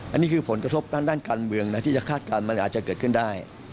อันนี้คือผลกระทบด้านการเมืองนะที่จะคาดการณ์มันอาจจะเกิดขึ้นได้